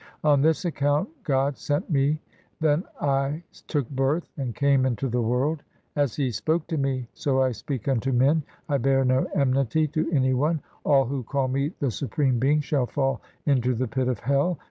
On this account God sent me. Then I took birth and came into the world. As He spoke to me so I speak unto men : I bear no enmity to any one. All who call me the Supreme Being Shall fall into the pit of hell.